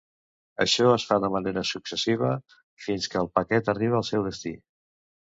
Això es fa de manera successiva fins que el paquet arriba al seu destí.